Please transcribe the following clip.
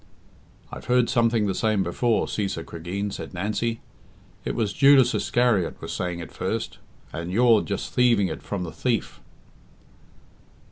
"I've heard something the same before, Cæsar Cregeen," said Nancy. "It was Judas Iscariot was saying it first, and you're just thieving it from a thief."